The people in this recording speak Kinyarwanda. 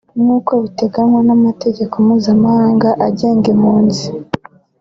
nkuko biteganywa n’amategeko mpuzamahanga agenga impunzi